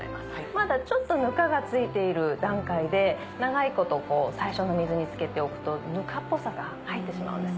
まだちょっとぬかが付いている段階で長いこと最初の水につけておくとぬかっぽさが入ってしまうんです。